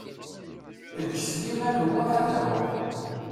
Eǧǧ Sliman U Muḥ ad iṛuḥ.